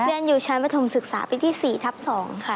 เรียนอยู่ชั้นประถมศึกษาปีที่๔ทับ๒ค่ะ